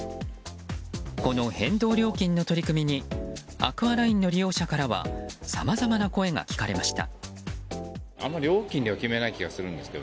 この変動料金の取り組みにアクアラインの利用者からはさまざまな声が聞かれました。